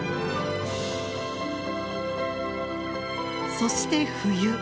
そして冬。